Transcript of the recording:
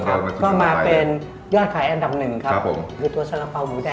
ก็มาเป็นยอดขายอันดำนึงครับ